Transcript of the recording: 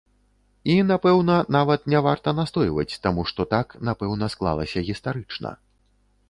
І, напэўна, нават не варта настойваць, таму што так, напэўна, склалася гістарычна.